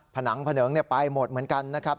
ผนังผนึงเนี่ยปล่อยหมดเหมือนกันนะครับ